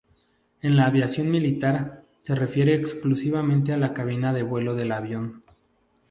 En la aviación militar, se refiere exclusivamente a la cabina de vuelo del avión.